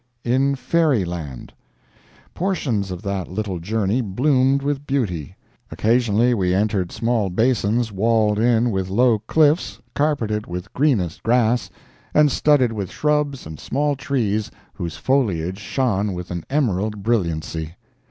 IN FAIRY LAND Portions of that little journey bloomed with beauty. Occasionally we entered small basins walled in with low cliffs, carpeted with greenest grass, and studded with shrubs and small trees whose foliage shone with an emerald brilliancy.